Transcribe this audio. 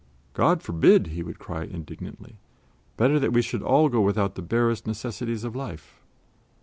"God forbid!" he would cry indignantly. "Better that we should all go without the barest necessities of life."